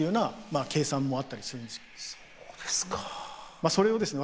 まあそれをですね